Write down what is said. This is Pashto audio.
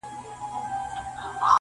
افغانستان وم سره لمبه دي کړمه,